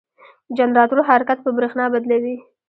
جنراتور حرکت په برېښنا بدلوي.